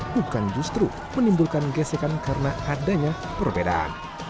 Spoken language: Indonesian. bukan justru menimbulkan gesekan karena adanya perbedaan